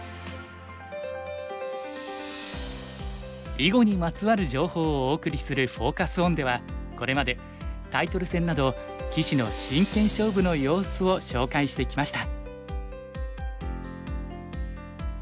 囲碁にまつわる情報をお送りするフォーカス・オンではこれまでタイトル戦など棋士の真剣勝負の様子を紹介してきました。